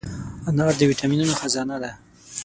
انار د ویټامینونو خزانه ده.